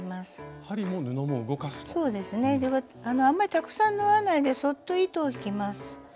あんまりたくさん縫わないでそっと糸を引きます。